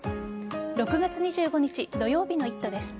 ６月２５日土曜日の「イット！」です。